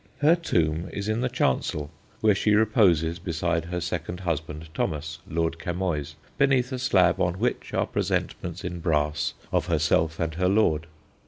Her tomb is in the chancel, where she reposes beside her second husband Thomas, Lord Camoys, beneath a slab on which are presentments in brass of herself and her lord.